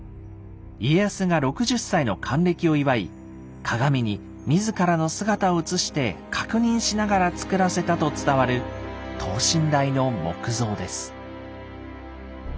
家康が６０歳の還暦を祝い鏡に自らの姿を映して確認しながら造らせたと伝わる等身大の木像です。